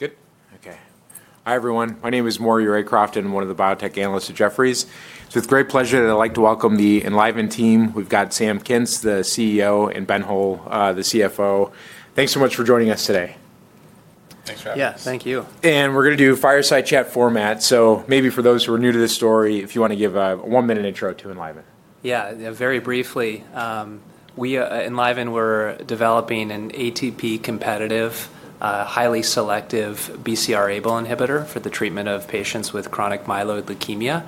Good. Okay. Hi, everyone. My name is Maury Raycroft, one of the biotech analysts at Jefferies. It's with great pleasure that I'd like to welcome the Enliven team. We've got Sam Kintz, the CEO, and Ben Hohl, the CFO. Thanks so much for joining us today. Thanks for having us. Yes, thank you. We're going to do fireside chat format. Maybe for those who are new to this story, if you want to give a one-minute intro to EnLiven. Yeah, very briefly. We at EnLiven were developing an ATP-competitive, highly selective BCR-ABL inhibitor for the treatment of patients with chronic myeloid leukemia.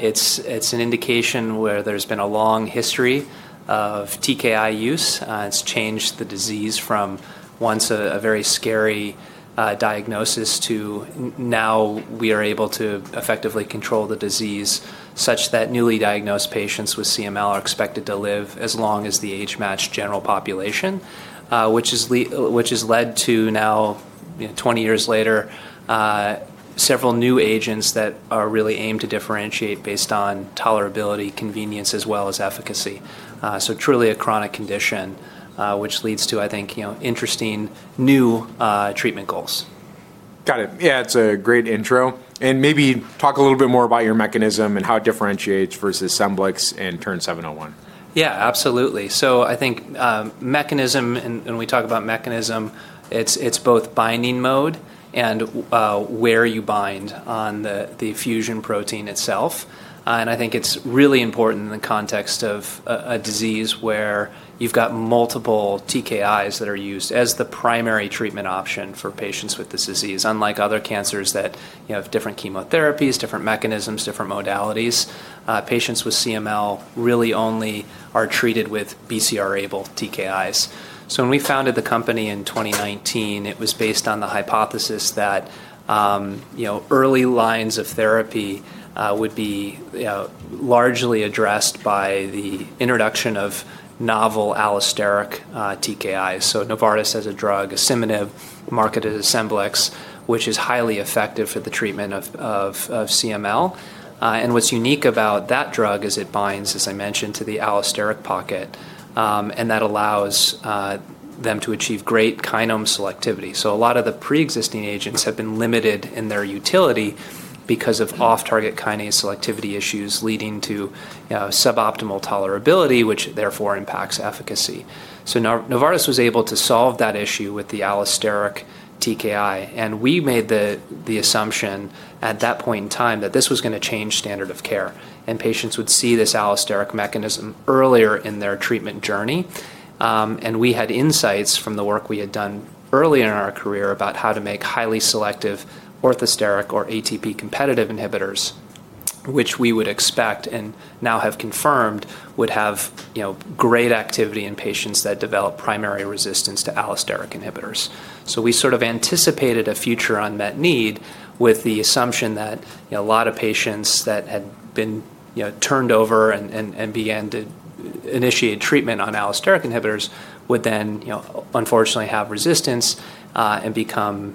It's an indication where there's been a long history of TKI use. It's changed the disease from once a very scary diagnosis to now we are able to effectively control the disease such that newly diagnosed patients with CML are expected to live as long as the age-matched general population, which has led to now, 20 years later, several new agents that are really aimed to differentiate based on tolerability, convenience, as well as efficacy. Truly a chronic condition, which leads to, I think, interesting new treatment goals. Got it. Yeah, it's a great intro. Maybe talk a little bit more about your mechanism and how it differentiates versus SCEMBLIX and TERN-701. Yeah, absolutely. I think mechanism, and when we talk about mechanism, it is both binding mode and where you bind on the fusion protein itself. I think it is really important in the context of a disease where you have got multiple TKIs that are used as the primary treatment option for patients with this disease. Unlike other cancers that have different chemotherapies, different mechanisms, different modalities, patients with CML really only are treated with BCR-ABL TKIs. When we founded the company in 2019, it was based on the hypothesis that early lines of therapy would be largely addressed by the introduction of novel allosteric TKIs. Novartis has a drug, asciminib, marketed as SCEMBLIX, which is highly effective for the treatment of CML. What is unique about that drug is it binds, as I mentioned, to the allosteric pocket, and that allows them to achieve great kinome selectivity. A lot of the pre-existing agents have been limited in their utility because of off-target kinase selectivity issues leading to suboptimal tolerability, which therefore impacts efficacy. Novartis was able to solve that issue with the allosteric TKI. We made the assumption at that point in time that this was going to change standard of care. Patients would see this allosteric mechanism earlier in their treatment journey. We had insights from the work we had done early in our career about how to make highly selective orthosteric or ATP-competitive inhibitors, which we would expect and now have confirmed would have great activity in patients that develop primary resistance to allosteric inhibitors. We sort of anticipated a future unmet need with the assumption that a lot of patients that had been turned over and began to initiate treatment on allosteric inhibitors would then unfortunately have resistance and become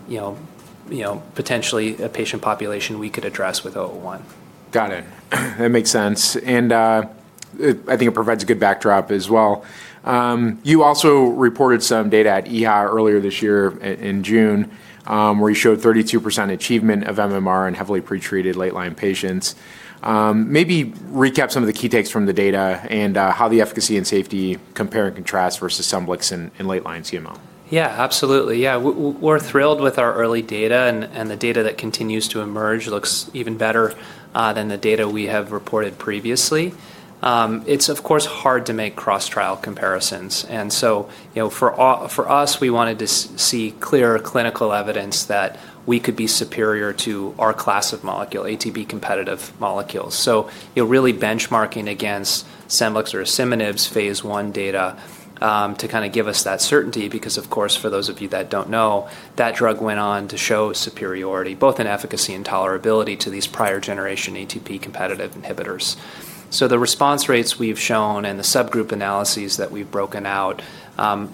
potentially a patient population we could address with 001. Got it. That makes sense. I think it provides a good backdrop as well. You also reported some data at EHI earlier this year in June, where you showed 32% achievement of MMR in heavily pretreated late-line patients. Maybe recap some of the key takes from the data and how the efficacy and safety compare and contrast versus SCEMBLIX in late-line CML. Yeah, absolutely. Yeah, we're thrilled with our early data. The data that continues to emerge looks even better than the data we have reported previously. It's, of course, hard to make cross-trial comparisons. For us, we wanted to see clear clinical evidence that we could be superior to our class of molecule, ATP-competitive molecules. Really benchmarking against SCEMBLIX or asciminib's phase I data to kind of give us that certainty because, of course, for those of you that don't know, that drug went on to show superiority, both in efficacy and tolerability to these prior-generation ATP-competitive inhibitors. The response rates we've shown and the subgroup analyses that we've broken out,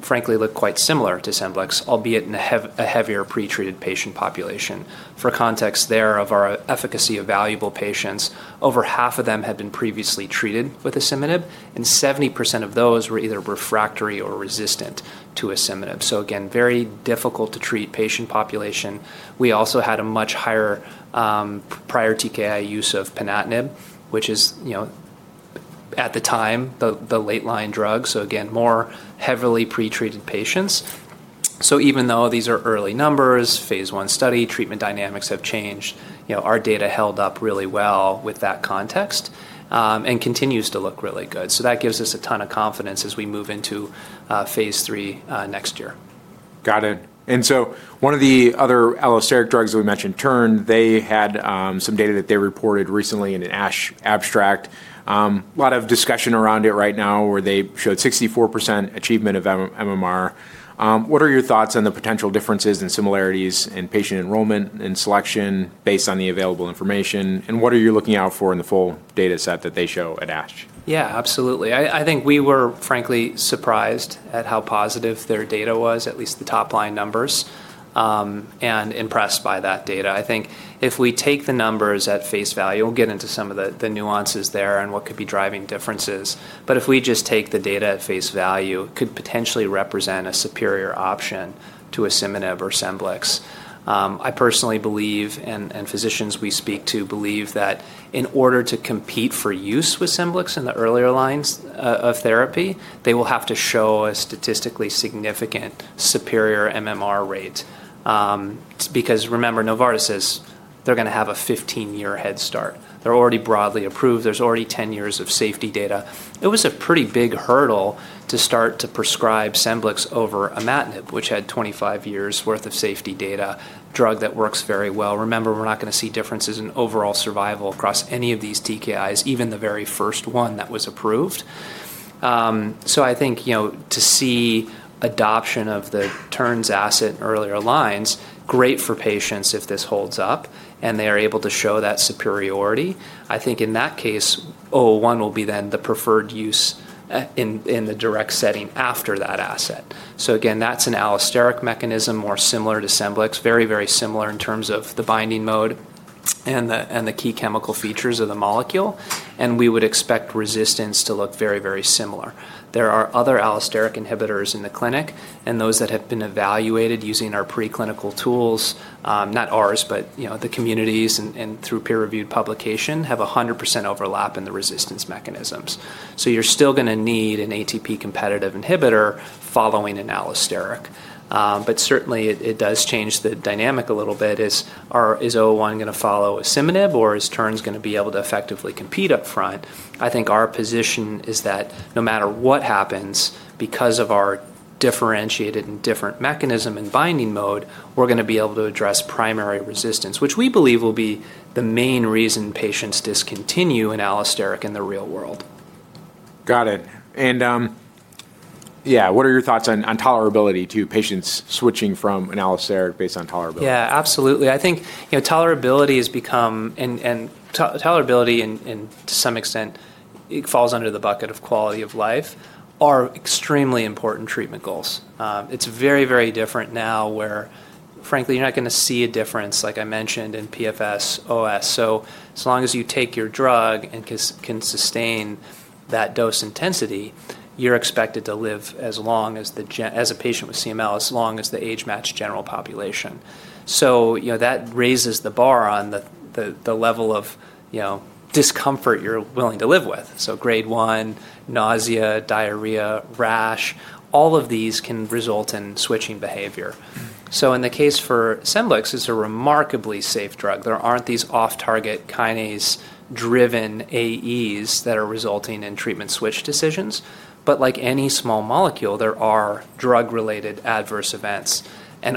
frankly, look quite similar to SCEMBLIX, albeit in a heavier pretreated patient population. For context there, of our evaluable patients, over half of them had been previously treated with asciminib, and 70% of those were either refractory or resistant to asciminib. Again, very difficult-to-treat patient population. We also had a much higher prior TKI use of ponatinib, which is, at the time, the late-line drug. Again, more heavily pretreated patients. Even though these are early numbers, phase I study, treatment dynamics have changed. Our data held up really well with that context and continues to look really good. That gives us a ton of confidence as we move into phase III next year. Got it. One of the other allosteric drugs that we mentioned, TURN, they had some data that they reported recently in an ASH abstract. A lot of discussion around it right now, where they showed 64% achievement of MMR. What are your thoughts on the potential differences and similarities in patient enrollment and selection based on the available information? What are you looking out for in the full data set that they show at ASH? Yeah, absolutely. I think we were, frankly, surprised at how positive their data was, at least the top-line numbers, and impressed by that data. I think if we take the numbers at face value, we'll get into some of the nuances there and what could be driving differences. If we just take the data at face value, it could potentially represent a superior option to asciminib or SCEMBLIX. I personally believe, and physicians we speak to believe, that in order to compete for use with SCEMBLIX in the earlier lines of therapy, they will have to show a statistically significant superior MMR rate. Because remember, Novartis is, they're going to have a 15-year head start. They're already broadly approved. There's already 10 years of safety data. It was a pretty big hurdle to start to prescribe SCEMBLIX over imatinib, which had 25 years' worth of safety data, a drug that works very well. Remember, we're not going to see differences in overall survival across any of these TKIs, even the very first one that was approved. I think to see adoption of TERN's asset in earlier lines, great for patients if this holds up and they are able to show that superiority. I think in that case, 001 will be then the preferred use in the direct setting after that asset. Again, that's an allosteric mechanism more similar to SCEMBLIX, very, very similar in terms of the binding mode and the key chemical features of the molecule. We would expect resistance to look very, very similar. There are other allosteric inhibitors in the clinic, and those that have been evaluated using our preclinical tools, not ours, but the community's and through peer-reviewed publication, have 100% overlap in the resistance mechanisms. You are still going to need an ATP-competitive inhibitor following an allosteric. It does change the dynamic a little bit. Is 001 going to follow a summative, or is TERN's going to be able to effectively compete upfront? I think our position is that no matter what happens, because of our differentiated and different mechanism and binding mode, we are going to be able to address primary resistance, which we believe will be the main reason patients discontinue an allosteric in the real world. Got it. Yeah, what are your thoughts on tolerability to patients switching from an allosteric based on tolerability? Yeah, absolutely. I think tolerability has become, and tolerability to some extent falls under the bucket of quality of life, are extremely important treatment goals. It is very, very different now where, frankly, you are not going to see a difference, like I mentioned, in PFS OS. As long as you take your drug and can sustain that dose intensity, you are expected to live as long as a patient with CML, as long as the age-matched general population. That raises the bar on the level of discomfort you are willing to live with. Grade 1 nausea, diarrhea, rash, all of these can result in switching behavior. In the case for SCEMBLIX, it is a remarkably safe drug. There are not these off-target kinase-driven AEs that are resulting in treatment switch decisions. Like any small molecule, there are drug-related adverse events.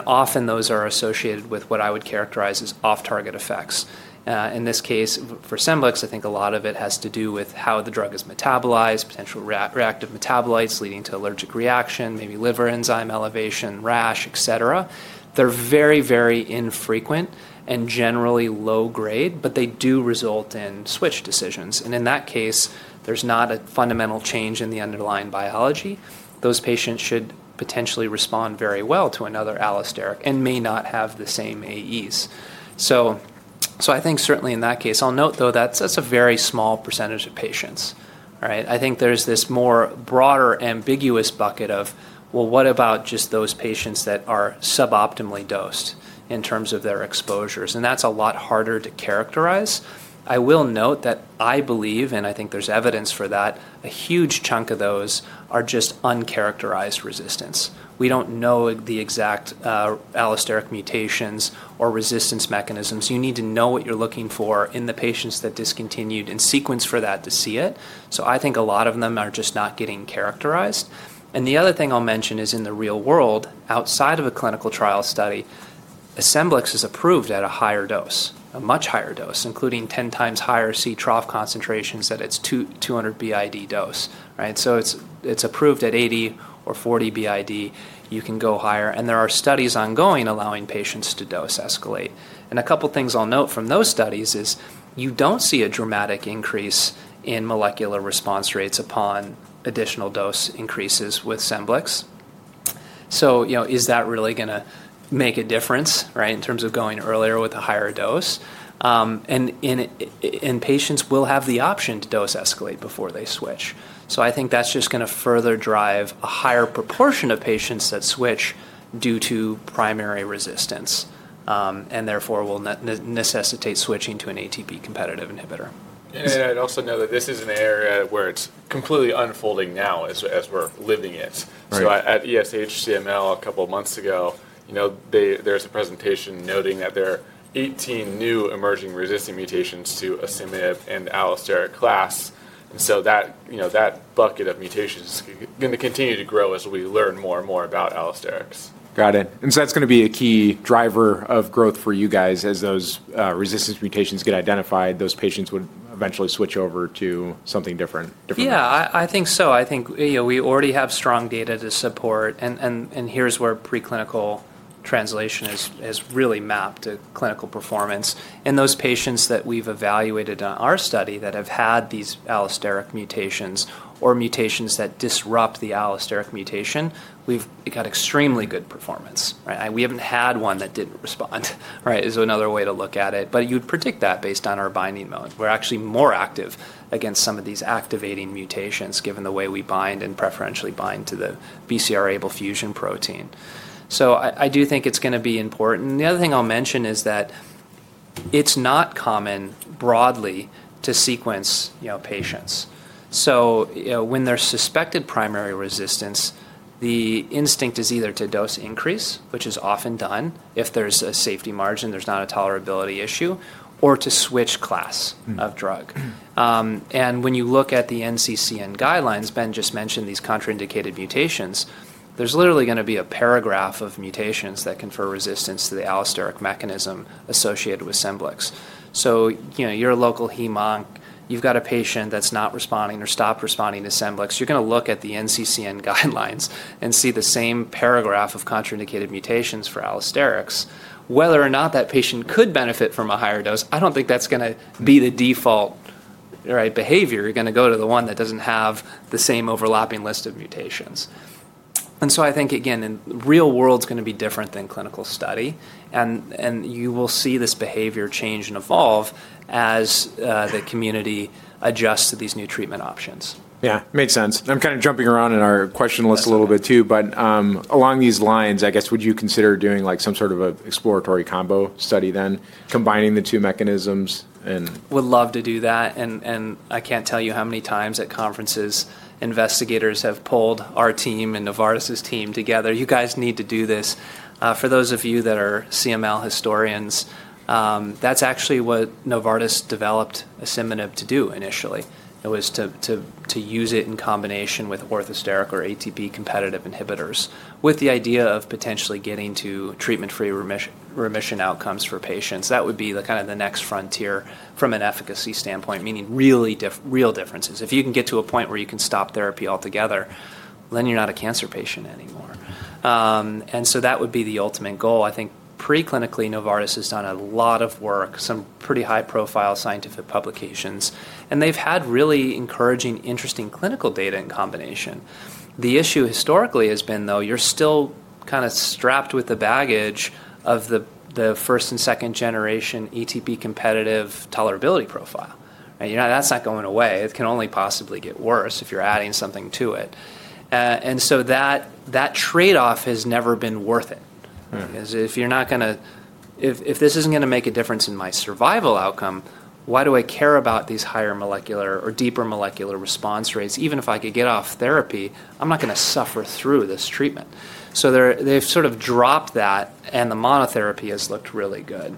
Often those are associated with what I would characterize as off-target effects. In this case, for SCEMBLIX, I think a lot of it has to do with how the drug is metabolized, potential reactive metabolites leading to allergic reaction, maybe liver enzyme elevation, rash, et cetera. They are very, very infrequent and generally low grade, but they do result in switch decisions. In that case, there is not a fundamental change in the underlying biology. Those patients should potentially respond very well to another allosteric and may not have the same AEs. I think certainly in that case, I will note though that is a very small percentage of patients. I think there is this more broader ambiguous bucket of, well, what about just those patients that are suboptimally dosed in terms of their exposures? That is a lot harder to characterize. I will note that I believe, and I think there's evidence for that, a huge chunk of those are just uncharacterized resistance. We don't know the exact allosteric mutations or resistance mechanisms. You need to know what you're looking for in the patients that discontinued and sequence for that to see it. I think a lot of them are just not getting characterized. The other thing I'll mention is in the real world, outside of a clinical trial study, SCEMBLIX is approved at a higher dose, a much higher dose, including 10x higher C trough concentrations at its 200 BID dose. It is approved at 80 or 40 BID. You can go higher. There are studies ongoing allowing patients to dose escalate. A couple of things I'll note from those studies is you don't see a dramatic increase in molecular response rates upon additional dose increases with SCEMBLIX. Is that really going to make a difference in terms of going earlier with a higher dose? Patients will have the option to dose escalate before they switch. I think that's just going to further drive a higher proportion of patients that switch due to primary resistance and therefore will necessitate switching to an ATP-competitive inhibitor. I'd also note that this is an area where it's completely unfolding now as we're living it. At ESH CML a couple of months ago, there's a presentation noting that there are 18 new emerging resistant mutations to asciminib and allosteric class. That bucket of mutations is going to continue to grow as we learn more and more about allosterics. Got it. That is going to be a key driver of growth for you guys as those resistance mutations get identified, those patients would eventually switch over to something different. Yeah. I think so. I think we already have strong data to support. Here is where preclinical translation has really mapped to clinical performance. In those patients that we have evaluated on our study that have had these allosteric mutations or mutations that disrupt the allosteric mutation, we have got extremely good performance. We have not had one that did not respond is another way to look at it. You would predict that based on our binding mode. We are actually more active against some of these activating mutations given the way we bind and preferentially bind to the BCR-ABL fusion protein. I do think it is going to be important. The other thing I'll mention is that it's not common broadly to sequence patients. When there's suspected primary resistance, the instinct is either to dose increase, which is often done if there's a safety margin, there's not a tolerability issue, or to switch class of drug. When you look at the NCCN guidelines, Ben just mentioned these contraindicated mutations, there's literally going to be a paragraph of mutations that confer resistance to the allosteric mechanism associated with SCEMBLIX. You're a local HemOnc, you've got a patient that's not responding or stopped responding to SCEMBLIX, you're going to look at the NCCN guidelines and see the same paragraph of contraindicated mutations for allosterics. Whether or not that patient could benefit from a higher dose, I don't think that's going to be the default behavior. You're going to go to the one that doesn't have the same overlapping list of mutations. I think, again, in the real world, it's going to be different than clinical study. You will see this behavior change and evolve as the community adjusts to these new treatment options. Yeah, makes sense. I'm kind of jumping around in our question list a little bit too. Along these lines, I guess, would you consider doing some sort of an exploratory combo study then, combining the two mechanisms? Would love to do that. I can't tell you how many times at conferences investigators have pulled our team and Novartis' team together. You guys need to do this. For those of you that are CML historians, that's actually what Novartis developed asciminib to do initially. It was to use it in combination with orthosteric or ATP-competitive inhibitors with the idea of potentially getting to treatment-free remission outcomes for patients. That would be kind of the next frontier from an efficacy standpoint, meaning real differences. If you can get to a point where you can stop therapy altogether, then you're not a cancer patient anymore. That would be the ultimate goal. I think preclinically, Novartis has done a lot of work, some pretty high-profile scientific publications. They've had really encouraging, interesting clinical data in combination. The issue historically has been, though, you're still kind of strapped with the baggage of the first- and second-generation ATP-competitive tolerability profile. That's not going away. It can only possibly get worse if you're adding something to it. That trade-off has never been worth it. If you're not going to, if this isn't going to make a difference in my survival outcome, why do I care about these higher molecular or deeper molecular response rates? Even if I could get off therapy, I'm not going to suffer through this treatment. They've sort of dropped that, and the monotherapy has looked really good.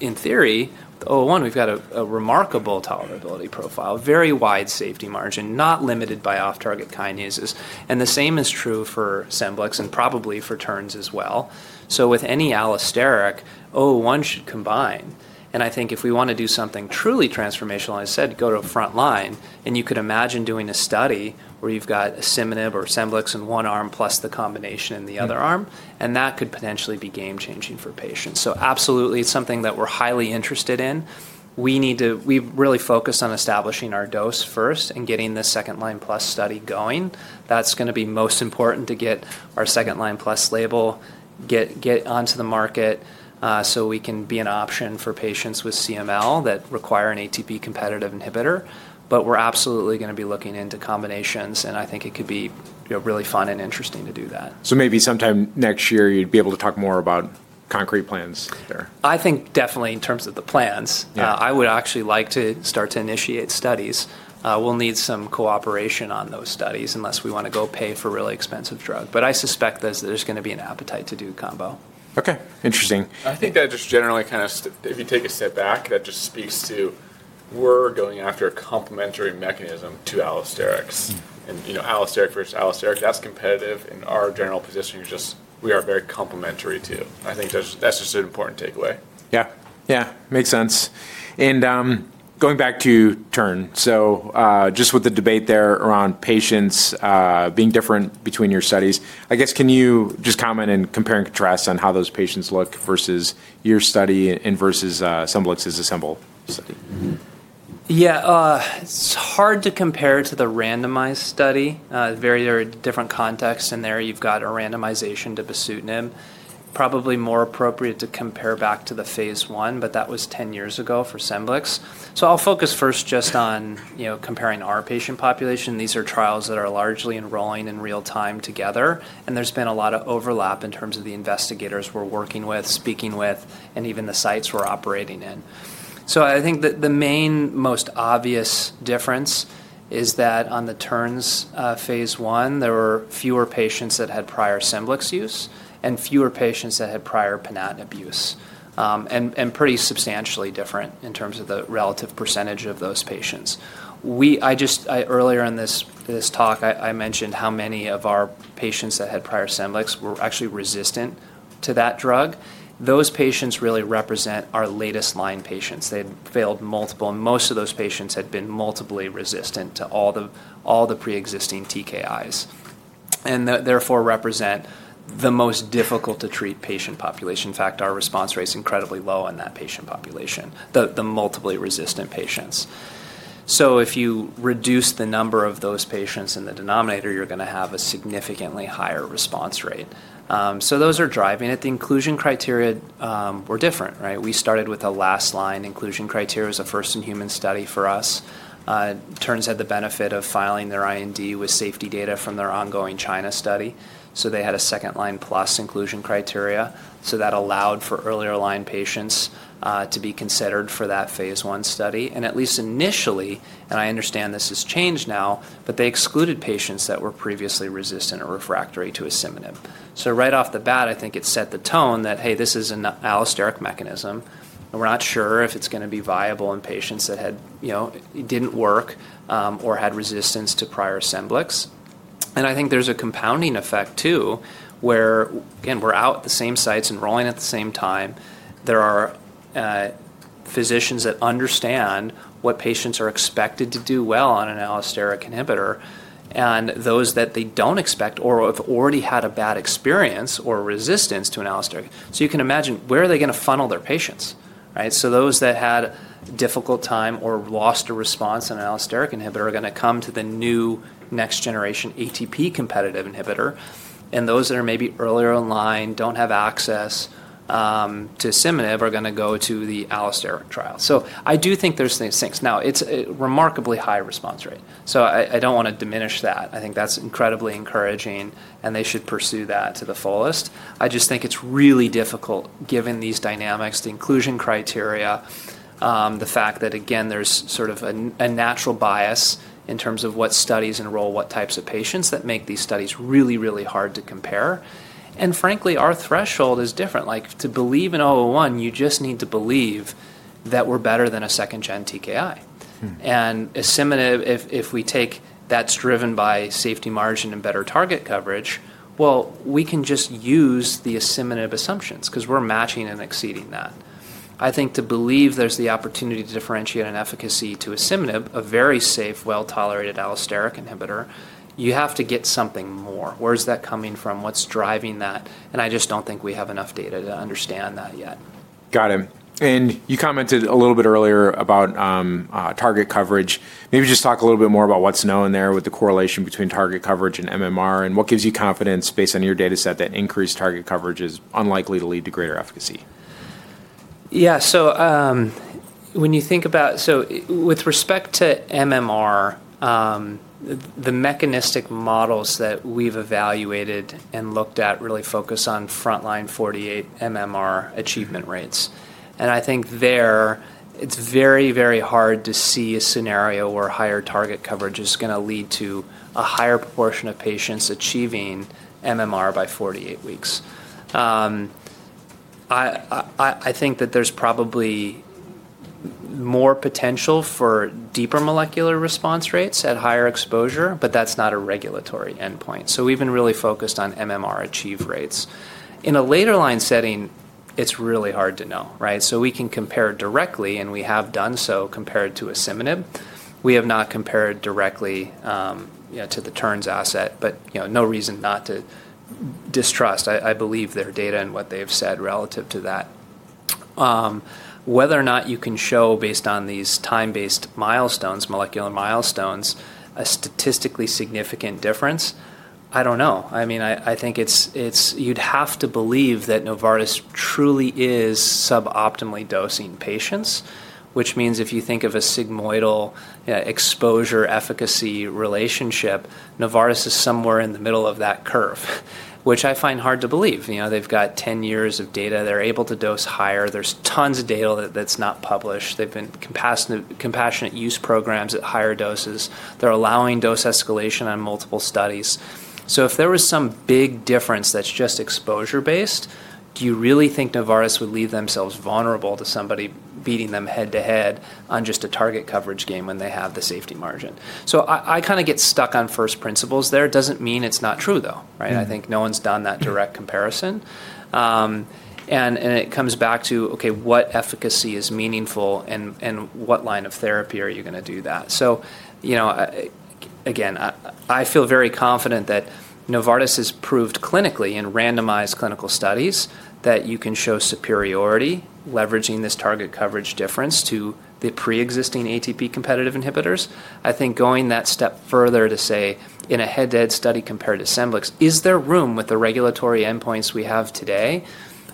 In theory, with 001, we've got a remarkable tolerability profile, very wide safety margin, not limited by off-target kinases. The same is true for SCEMBLIX and probably for TERN's as well. With any allosteric, 001 should combine. I think if we want to do something truly transformational, I said, go to a front line, and you could imagine doing a study where you've got asciminib or SCEMBLIX in one arm plus the combination in the other arm. That could potentially be game-changing for patients. Absolutely, it's something that we're highly interested in. We really focus on establishing our dose first and getting the second-line plus study going. That's going to be most important to get our second-line plus label, get onto the market so we can be an option for patients with CML that require an ATP-competitive inhibitor. We're absolutely going to be looking into combinations, and I think it could be really fun and interesting to do that. Maybe sometime next year, you'd be able to talk more about concrete plans there. I think definitely in terms of the plans, I would actually like to start to initiate studies. We'll need some cooperation on those studies unless we want to go pay for a really expensive drug. I suspect there's going to be an appetite to do combo. Okay. Interesting. I think that just generally kind of, if you take a step back, that just speaks to we're going after a complementary mechanism to allosterics. And allosteric versus allosteric, that's competitive. In our general position, we are very complementary too. I think that's just an important takeaway. Yeah. Yeah. Makes sense. Going back to TERN, just with the debate there around patients being different between your studies, I guess, can you just comment and compare and contrast on how those patients look versus your study versus SCEMBLIX's assembled study? Yeah. It's hard to compare to the randomized study. There are different contexts in there. You've got a randomization to bosutinib. Probably more appropriate to compare back to the phase I, but that was 10 years ago for SCEMBLIX. I will focus first just on comparing our patient population. These are trials that are largely enrolling in real time together. There has been a lot of overlap in terms of the investigators we're working with, speaking with, and even the sites we're operating in. I think the main most obvious difference is that on the TERN's phase I, there were fewer patients that had prior SCEMBLIX use and fewer patients that had prior ponatinib use. And pretty substantially different in terms of the relative percentage of those patients. Earlier in this talk, I mentioned how many of our patients that had prior SCEMBLIX were actually resistant to that drug. Those patients really represent our latest line patients. They had failed multiple. Most of those patients had been multiply resistant to all the pre-existing TKIs and therefore represent the most difficult-to-treat patient population. In fact, our response rate is incredibly low in that patient population, the multiply resistant patients. If you reduce the number of those patients in the denominator, you're going to have a significantly higher response rate. Those are driving it. The inclusion criteria were different. We started with a last-line inclusion criteria. It was a first-in-human study for us. TERN's had the benefit of filing their IND with safety data from their ongoing China study. They had a second-line plus inclusion criteria. That allowed for earlier line patients to be considered for that phase I study. At least initially, and I understand this has changed now, but they excluded patients that were previously resistant or refractory to asciminib. Right off the bat, I think it set the tone that, hey, this is an allosteric mechanism. We're not sure if it's going to be viable in patients that didn't work or had resistance to prior SCEMBLIX. I think there's a compounding effect too where, again, we're out at the same sites enrolling at the same time. There are physicians that understand what patients are expected to do well on an allosteric inhibitor and those that they don't expect or have already had a bad experience or resistance to an allosteric. You can imagine where are they going to funnel their patients? Those that had a difficult time or lost a response on an allosteric inhibitor are going to come to the new next-generation ATP-competitive inhibitor. Those that are maybe earlier in line, do not have access to SCEMBLIX, are going to go to the allosteric trial. I do think there are these things. It is a remarkably high response rate. I do not want to diminish that. I think that is incredibly encouraging, and they should pursue that to the fullest. I just think it is really difficult given these dynamics, the inclusion criteria, the fact that, again, there is sort of a natural bias in terms of what studies enroll, what types of patients, that make these studies really, really hard to compare. Frankly, our threshold is different. To believe in 001, you just need to believe that we are better than a second-gen TKI. If we take that's driven by safety margin and better target coverage, we can just use the summative assumptions because we're matching and exceeding that. I think to believe there's the opportunity to differentiate in efficacy to a summative, a very safe, well-tolerated allosteric inhibitor, you have to get something more. Where's that coming from? What's driving that? I just don't think we have enough data to understand that yet. Got it. You commented a little bit earlier about target coverage. Maybe just talk a little bit more about what's known there with the correlation between target coverage and MMR and what gives you confidence based on your data set that increased target coverage is unlikely to lead to greater efficacy. Yeah. So when you think about, so with respect to MMR, the mechanistic models that we've evaluated and looked at really focus on front line 48 MMR achievement rates. I think there, it's very, very hard to see a scenario where higher target coverage is going to lead to a higher proportion of patients achieving MMR by 48 weeks. I think that there's probably more potential for deeper molecular response rates at higher exposure, but that's not a regulatory endpoint. So we've been really focused on MMR achieve rates. In a later line setting, it's really hard to know. We can compare directly, and we have done so compared to asciminib. We have not compared directly to TERN-701, but no reason not to distrust. I believe their data and what they've said relative to that. Whether or not you can show based on these time-based milestones, molecular milestones, a statistically significant difference, I don't know. I mean, I think you'd have to believe that Novartis truly is suboptimally dosing patients, which means if you think of a sigmoidal exposure efficacy relationship, Novartis is somewhere in the middle of that curve, which I find hard to believe. They've got 10 years of data. They're able to dose higher. There's tons of data that's not published. They've been compassionate use programs at higher doses. They're allowing dose escalation on multiple studies. If there was some big difference that's just exposure-based, do you really think Novartis would leave themselves vulnerable to somebody beating them head-to-head on just a target coverage game when they have the safety margin? I kind of get stuck on first principles there. It doesn't mean it's not true, though. I think no one's done that direct comparison. It comes back to, okay, what efficacy is meaningful and what line of therapy are you going to do that? Again, I feel very confident that Novartis has proved clinically in randomized clinical studies that you can show superiority leveraging this target coverage difference to the pre-existing ATP-competitive inhibitors. I think going that step further to say, in a head-to-head study compared to SCEMBLIX, is there room with the regulatory endpoints we have today?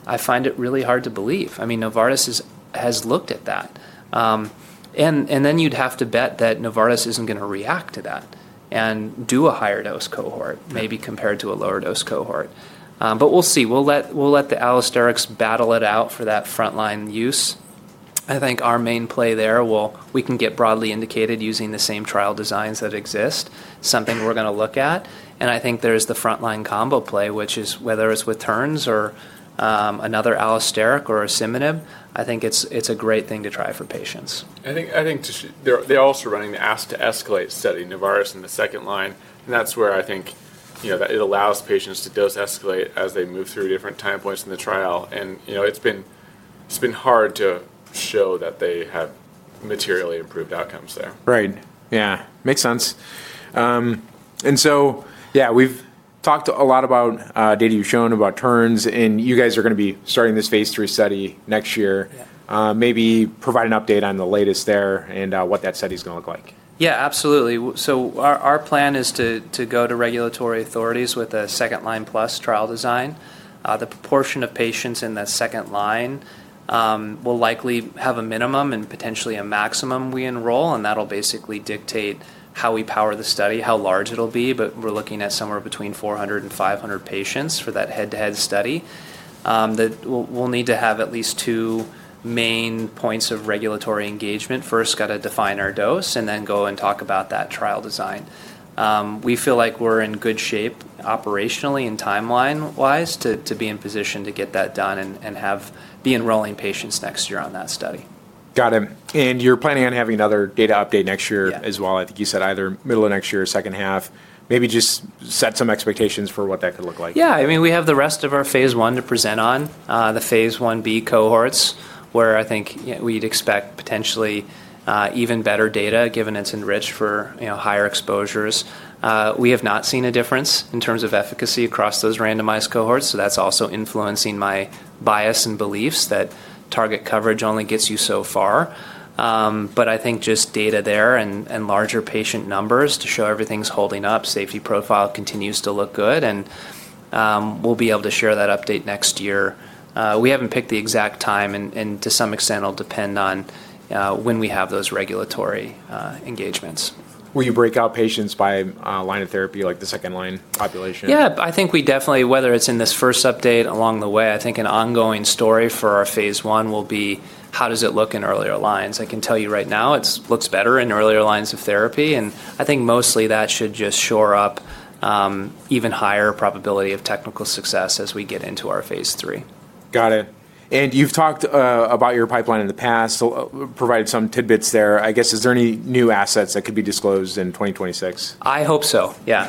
I find it really hard to believe. I mean, Novartis has looked at that. You'd have to bet that Novartis isn't going to react to that and do a higher dose cohort maybe compared to a lower dose cohort. We'll see. We'll let the allosterics battle it out for that front line use. I think our main play there, we can get broadly indicated using the same trial designs that exist, something we're going to look at. I think there's the front line combo play, which is whether it's with TERN-701 or another allosteric or asciminib, I think it's a great thing to try for patients. I think they're also running the ASC2ESCALATE study, Novartis in the second line. I think it allows patients to dose escalate as they move through different time points in the trial. It has been hard to show that they have materially improved outcomes there. Right. Yeah. Makes sense. Yeah, we've talked a lot about data you've shown about TERN's. You guys are going to be starting this phase III study next year. Maybe provide an update on the latest there and what that study is going to look like. Yeah, absolutely. Our plan is to go to regulatory authorities with a second-line plus trial design. The proportion of patients in that second line will likely have a minimum and potentially a maximum we enroll. That will basically dictate how we power the study, how large it will be. We are looking at somewhere between 400-500 patients for that head-to-head study. We will need to have at least two main points of regulatory engagement. First, we have to define our dose and then go and talk about that trial design. We feel like we are in good shape operationally and timeline-wise to be in position to get that done and be enrolling patients next year on that study. Got it. You are planning on having another data update next year as well. I think you said either middle of next year or second half. Maybe just set some expectations for what that could look like. Yeah. I mean, we have the rest of our phase I to present on, the phase I B cohorts where I think we'd expect potentially even better data given it's enriched for higher exposures. We have not seen a difference in terms of efficacy across those randomized cohorts. That is also influencing my bias and beliefs that target coverage only gets you so far. I think just data there and larger patient numbers to show everything's holding up, safety profile continues to look good. We'll be able to share that update next year. We haven't picked the exact time. To some extent, it'll depend on when we have those regulatory engagements. Will you break out patients by line of therapy, like the second-line population? Yeah. I think we definitely, whether it's in this first update along the way, I think an ongoing story for our phase I will be, how does it look in earlier lines? I can tell you right now, it looks better in earlier lines of therapy. I think mostly that should just shore up even higher probability of technical success as we get into our phase III. Got it. You have talked about your pipeline in the past, provided some tidbits there. I guess, is there any new assets that could be disclosed in 2026? I hope so. Yeah.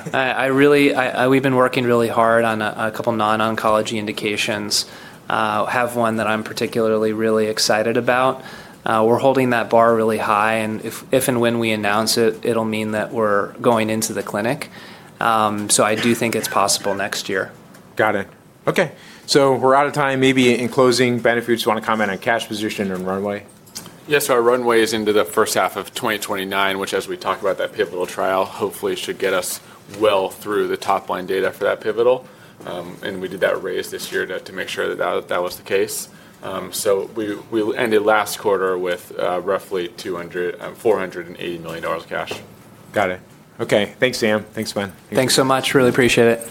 We've been working really hard on a couple of non-oncology indications. I have one that I'm particularly really excited about. We're holding that bar really high. If and when we announce it, it'll mean that we're going into the clinic. I do think it's possible next year. Got it. Okay. So we're out of time. Maybe in closing, Ben, if you just want to comment on cash position and runway. Yes. Our runway is into the first half of 2029, which, as we talked about that pivotal trial, hopefully should get us well through the top line data for that pivotal. We did that raise this year to make sure that that was the case. We ended last quarter with roughly $480 million of cash. Got it. Okay. Thanks, Sam. Thanks, Ben. Thanks so much. Really appreciate it.